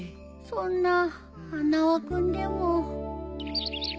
そんな花輪君でも。